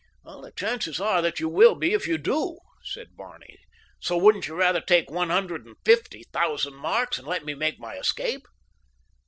"The chances are that you will be if you do," said Barney, "so wouldn't you rather take one hundred and fifty thousand marks and let me make my escape?"